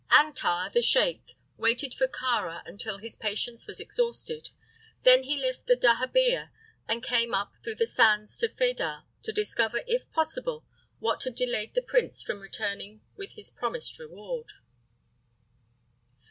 Antar, the sheik, waited for Kāra until his patience was exhausted; then he left the dahabeah and came up through the sands to Fedah to discover, if possible, what had delayed the prince from returning with his promised reward.